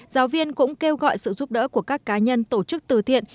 giáo viên cũng kêu gọi sự giúp đỡ của các cá nhân tổ chức từ thiện